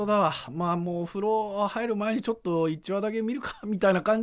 まあもう風呂入る前にちょっと１話だけ見るか」みたいな感じの。